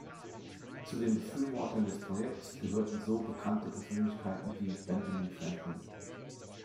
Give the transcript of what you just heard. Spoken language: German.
Zu den Befürwortern des Projekts gehörten so bekannte Persönlichkeiten wie Benjamin Franklin.